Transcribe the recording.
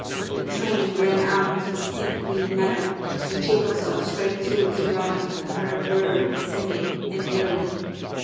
The train ran out into a steep green meadow, and Jacob saw striped tulips growing and heard a bird singing, in Italy.